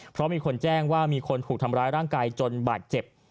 เพราะมีคนแจ้งว่ามีคนถูกทำร้ายร่างกายจนบาดเจ็บ